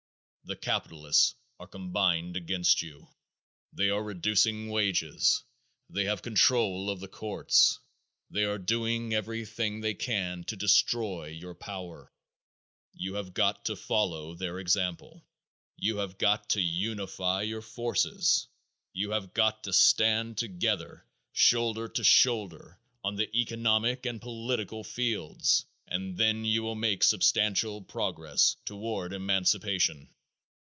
The capitalists are combined against you. They are reducing wages. They have control of the courts. They are doing everything they can to destroy your power. You have got to follow their example. You have got to unify your forces. You have got to stand together shoulder to shoulder on the economic and political fields and then you will make substantial progress toward emancipation.